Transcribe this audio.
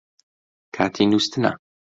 کاتی نووستنە